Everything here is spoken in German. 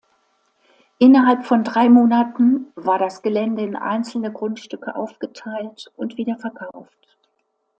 Innerhalb von drei Monaten war das Gelände in einzelne Grundstücke aufgeteilt und wieder verkauft.